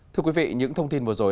thưa quý vị những thông tin vừa rồi